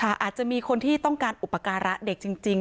อาจจะมีคนที่ต้องการอุปการะเด็กจริง